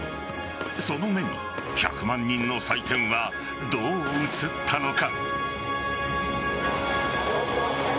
その目に、１００万人の祭典はどう映ったのか。